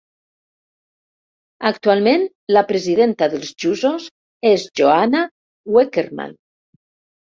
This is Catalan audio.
Actualment la presidenta dels Jusos és Johanna Uekermann.